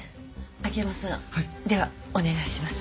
秋山さんではお願いします。